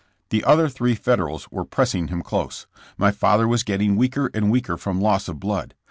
The other three Federals were pressing him close. My father was getting weaker and weaker from loss of blood.